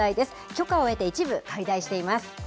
許可を得て、一部改題しています。